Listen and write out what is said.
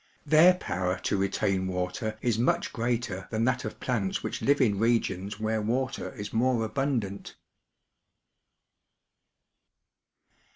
Their power to retain water is much greater than that of plants which live in regions where water is more abundant.